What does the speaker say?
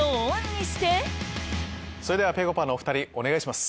それではぺこぱのお２人お願いします。